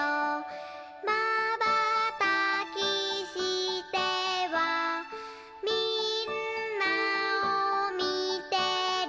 「まばたきしてはみんなをみてる」